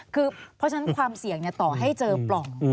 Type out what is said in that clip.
คือเพราะฉะนั้นความเสี่ยงต่อให้เจอปล่อง